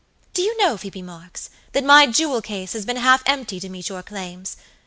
Do you know, Phoebe Marks, that my jewel case has been half emptied to meet your claims?